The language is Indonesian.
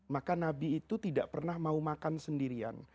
maka nabi itu tidak pernah mau makan sendirian